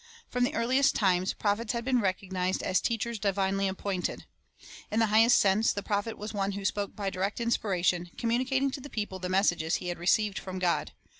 From the earliest times, prophets had been recognized as teachers divinely appointed. In the highest sense the prophet was one who spoke by direct inspiration, communicating to the people the messages he had received from God.